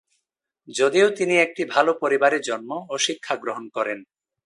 যদিও তিনি একটি ভাল পরিবারে জন্ম এবং শিক্ষা গ্রহণ করেন।